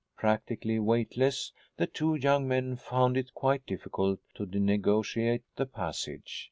Practically weightless, the two young men found it quite difficult to negotiate the passage.